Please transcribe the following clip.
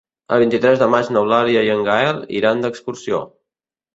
El vint-i-tres de maig n'Eulàlia i en Gaël iran d'excursió.